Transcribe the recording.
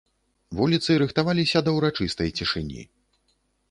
Вуліцы рыхтаваліся да ўрачыстай цішыні.